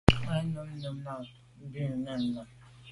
O nèn à mum nà o à bû mèn am.